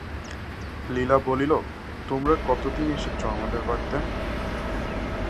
লীলা বলিল, তোমরা কতদিন এসেচ আমাদের বাড়ি?